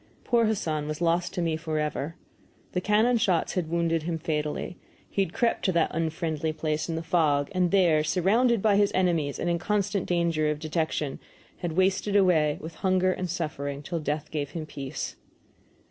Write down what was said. Poor Hassan was lost to me forever. The cannonshots had wounded him fatally, he had crept to that unfriendly place in the fog, and there, surrounded by his enemies and in constant danger of detection, he had wasted away with hunger and suffering till death gave him peace.